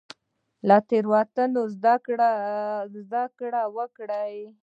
له تیروتنو زده کړه وکړئ